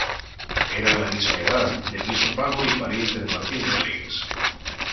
Era de la misma edad, del mismo pago y pariente de Martín Rodríguez.